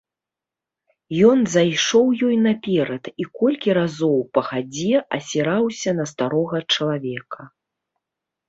Ён зайшоў ёй наперад і колькі разоў, па хадзе, азіраўся на старога чалавека.